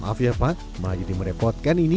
maaf ya pak malah jadi merepotkan ini